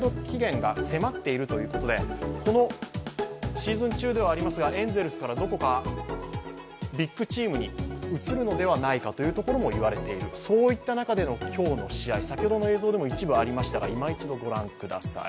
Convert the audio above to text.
シーズン中ではありますが、エンゼルスからどこかビッグチームに移るのではないかとも言われている、そういった中での今日の試合、先ほどの映像でも一部ありましたがいま一度ご覧ください。